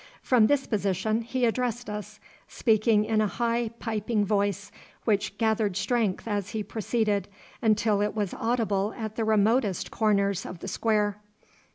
From this position he addressed us, speaking in a high piping voice which gathered strength as he proceeded, until it was audible at the remotest corners of the square.